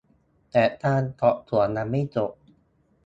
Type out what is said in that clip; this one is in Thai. แต่การสอบสวนยังไม่จบ